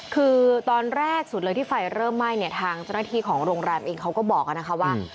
คือตอนแรกสุดเลยที่ไฟเริ่มไหม้เนี่ยทางเจ้าหน้าที่ของโรงแรมเองเขาก็บอกนะคะว่า